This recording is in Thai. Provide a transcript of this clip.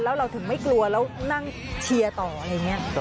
แล้วเราถึงไม่กลัวแล้วนั่งเชียร์ต่ออะไรอย่างนี้